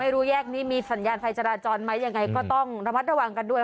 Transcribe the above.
แยกนี้มีสัญญาณไฟจราจรไหมยังไงก็ต้องระมัดระวังกันด้วย